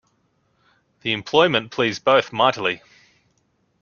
The employment pleased both mightily.